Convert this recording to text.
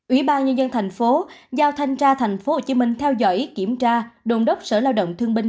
ubnd tp hcm giao thanh tra tp hcm theo dõi kiểm tra đồng đốc sở lao động thương binh